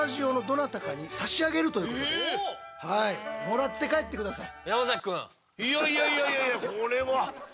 もらって帰って下さい。